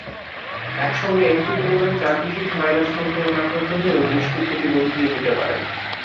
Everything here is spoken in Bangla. একসঙ্গে একটি পরিবারের চারটি শিশু ভাইরাস সংক্রমণে আক্রান্ত হয়েও দৃষ্টিপ্রতিবন্ধী হতে পারে।